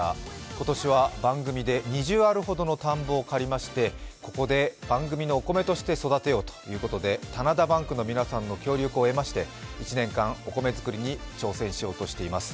今年は番組で２０アールほどの田んぼを借りまして、ここで番組のお米として育てようということで棚田バンクの皆さんのご協力を得まして、１年間、お米作りに挑戦しようとしています。